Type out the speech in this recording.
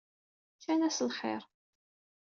Ččan-as lxir.